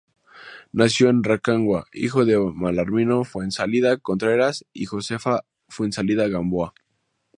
Nació en Rancagua, hijo de Belarmino Fuenzalida Contreras y Josefa Fuenzalida Gamboa.